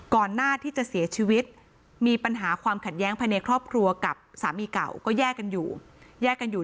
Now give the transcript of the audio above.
หน้าที่จะเสียชีวิตมีปัญหาความขัดแย้งภายในครอบครัวกับสามีเก่าก็แยกกันอยู่แยกกันอยู่